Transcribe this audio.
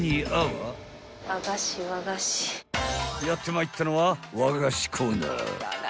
［やってまいったのは］